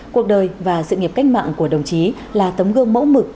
cuộc đời và sự nghiệp cách mạng của đồng chí là tấm gương mẫu mực